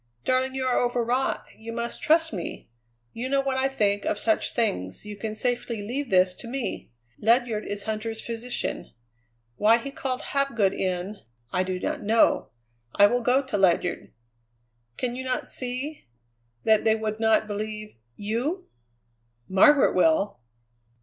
"Darling, you are overwrought. You must trust me. You know what I think of such things; you can safely leave this to me. Ledyard is Huntter's physician. Why he called Hapgood in, I do not know. I will go to Ledyard. Can you not see that they would not believe you?" "Margaret will!"